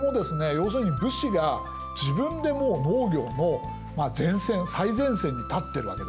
要するに武士が自分でもう農業の前線最前線に立ってるわけですよ。